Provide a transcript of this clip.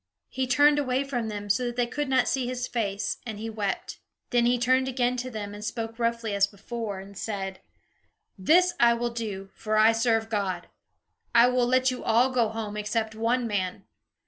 He turned away from them, so that they could not see his face, and he wept. Then he turned again to them and spoke roughly as before, and said: "This I will do, for I serve God. I will let you all go home, except one man.